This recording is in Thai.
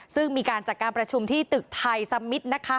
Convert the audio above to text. ซึ่งมีการจัดการประชุมที่ตึกไทยสมิทนะคะ